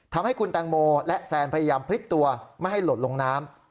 ทำให้คุณแตงโมและแซนพยายามพลิกตัวไม่ให้หล่นลงน้ำ